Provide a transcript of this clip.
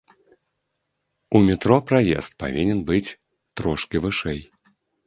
У метро праезд павінен быць трошкі вышэй.